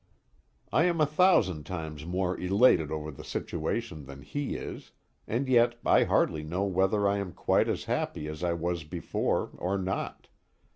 I am a thousand times more elated over the situation than he is and yet I hardly know whether I am quite as happy as I was before, or not.